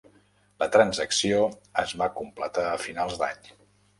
La transacció es va completar a finals d'any.